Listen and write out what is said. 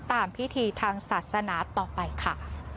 ตามพิธีทางศาสนาต่อไปค่ะ